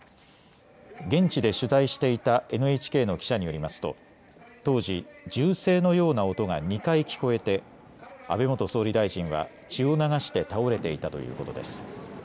現地で取材していたＮＨＫの記者によりますと当時、銃声のような音が２回聞こえて安倍元総理大臣は血を流して倒れていたということです。